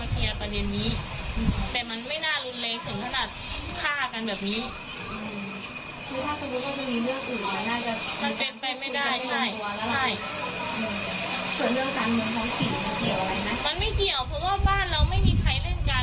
เป็นพวกเรียนคนสวยคะมันไม่เกี่ยวเพราะว่าบ้านเราไม่มีใครเล่นการเงินเลยพี่